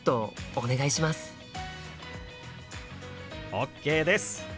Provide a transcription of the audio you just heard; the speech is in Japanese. ＯＫです！